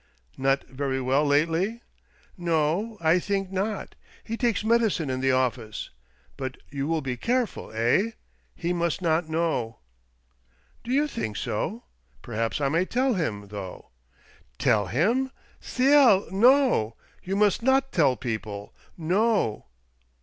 " Not very well lately ?" "No — I think not. He takes medicine in the office. But you will be careful, eh ? He must not know." "Do you think so? Perhaps I may tell him, though." "Tell him? del— no I You must not tell people ! No